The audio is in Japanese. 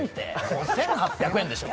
５８００円でしょ。